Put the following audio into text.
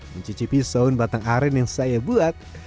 mencicipi soun batang aren yang saya buat